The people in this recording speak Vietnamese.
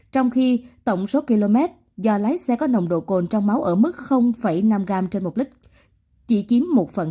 trong khi tổng số km do lái xe có nồng độ cồn trong máu ở mức năm gram trên một lít chỉ chiếm một